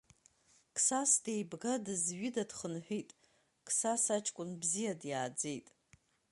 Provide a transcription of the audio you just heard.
Қсас деибга-дызҩыда дхынҳәит, Қсас аҷкәын бзиа диааӡеит…